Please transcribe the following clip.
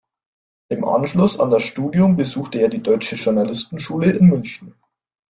Im Anschluss an das Studium besuchte er die Deutsche Journalistenschule in München.